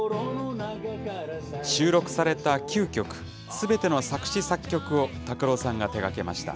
収録された９曲すべての作詞・作曲を拓郎さんが手がけました。